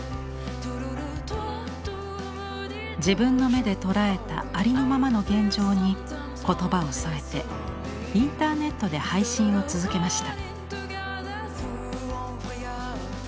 自分の目で捉えたありのままの現状に言葉を添えてインターネットで配信を続けました。